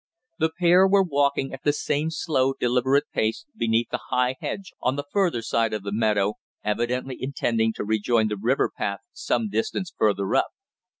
The pair were walking at the same slow, deliberate pace beneath the high hedge on the further side of the meadow, evidently intending to rejoin the river path some distance further up.